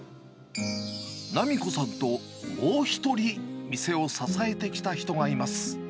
奈美子さんともう１人、店を支えてきた人がいます。